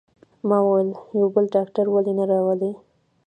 ما وویل: یو بل ډاکټر ولې نه راولئ؟